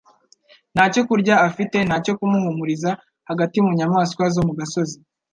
ntacyo kurya afite nta cyo kumuhumuriza hagati mu nyamaswa zo mu gasozi?